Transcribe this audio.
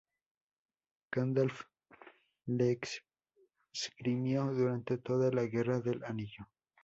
Gandalf la esgrimió durante toda la Guerra del Anillo.